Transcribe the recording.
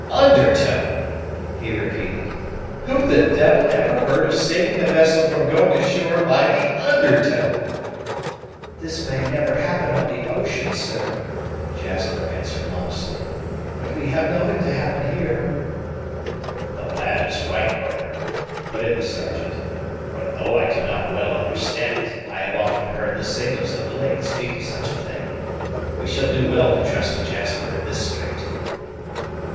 "Under tow!" he repeated; "who the devil ever heard of saving a vessel from going ashore by the under tow?" "This may never happen on the ocean, sir," Jasper answered modestly; "but we have known it to happen here." "The lad is right, brother," put in the Sergeant; "for, though I do not well understand it, I have often heard the sailors of the lake speak of such a thing. We shall do well to trust to Jasper in this strait."